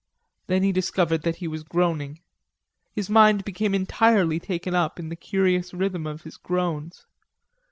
Then he discovered that he was groaning. His mind became entirely taken up in the curious rhythm of his groans.